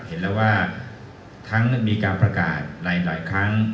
เห็นแล้วว่าครั้งหนึ่งมีการประกาศหลายครั้ง